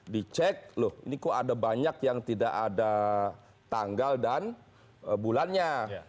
dicek loh ini kok ada banyak yang tidak ada tanggal dan bulannya